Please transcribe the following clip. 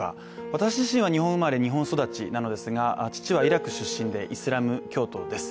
私自身は日本生まれ日本育ちなのですが父はイラク出身でイスラム教徒です。